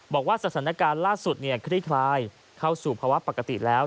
บอกว่าสถานการณ์ล่าสุดคลี่คลายเข้าสู่ภาวะปกติแล้ว